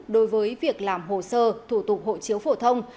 đối với việc làm hồ sơ thủ tục hộ chiếu phổ thông